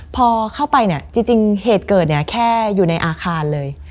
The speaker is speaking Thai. พอเข้าไปจริงเหตุเกิดแค่อยู่ในอาคารเลย